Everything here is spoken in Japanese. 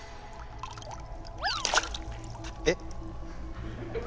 えっ。